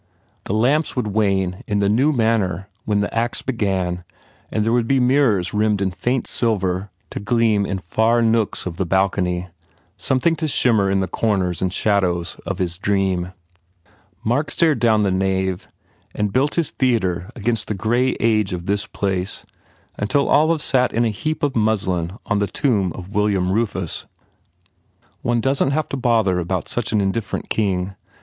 The lamps should wane in the new manner when the acts began and there would be mirrors rimmed in faint silver to gleam in far nooks of the balcony something to shimmer in corners and shadows of his dream. ... Mark stared down the nave and built his theatre against the grey age of this place until Olive sat in a heap of muslin on the tomb of William Rufus. "One doesn t have to bother about such an indifferent king.